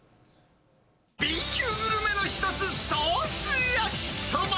Ｂ級グルメの一つ、ソース焼きそば。